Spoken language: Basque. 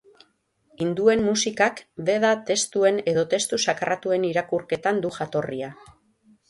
Hinduen musikak veda testuen edo testu sakratuen irakurketan du jatorria.